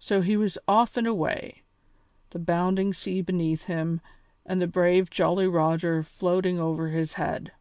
So he was off and away, the bounding sea beneath him and the brave Jolly Roger floating over his head.